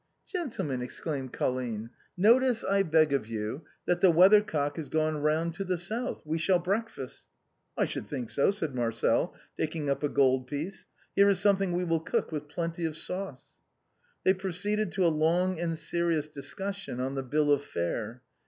" Gentlemen," exclaimed Colline, " notice, I beg of you, that the weathercock has gone round to the south, we shall breakfast." " I should think so," said Marcel, taking up a goldpiece, " here is something we Avill cook with plenty of sauce." They proceeded to a long and serious discussion on the bill of fare.